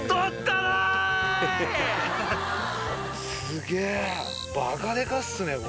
すげえ。